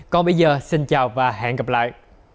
còn bây giờ xin chào và hẹn gặp lại